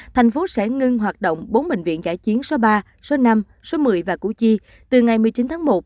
thành phố sẽ ngưng hoạt động bốn bệnh viện giãi chiến số ba số năm số một mươi và củ chi từ ngày một mươi chín tháng một